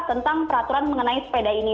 tentang peraturan mengenai sepeda ini